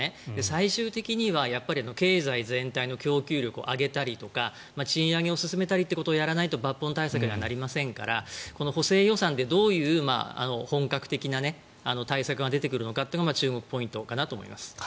最終的には経済全体の供給力を上げたりとか賃上げを進めたりということをやらないと抜本対策にはなりませんから補正予算でどういう本格的な対策が出てくるのかというのが注目ポイントかなと思います。